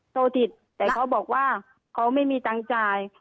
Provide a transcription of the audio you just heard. โทรติดแต่เขาบอกว่าเขาไม่มีตังค์จ่าย